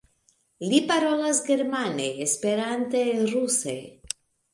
Li parolas germane, Esperante, ruse.